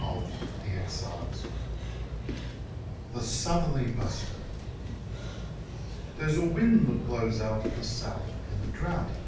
1904 The Southerly Buster HERE'S a wind that blows out of the South in the drought.